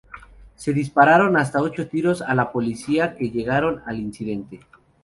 Se dispararon hasta ocho tiros a la policía que llegaron al incidente.